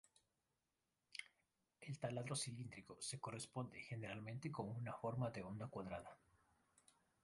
El taladro cilíndrico se corresponde generalmente con una forma de onda cuadrada.